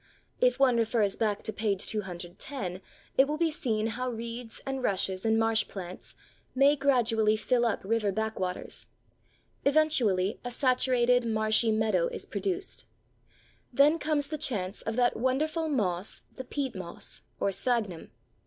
If one refers back to page 210, it will be seen how reeds and rushes and marsh plants may gradually fill up river backwaters. Eventually a saturated, marshy meadow is produced. Then comes the chance of that wonderful moss the peat moss, or Sphagnum.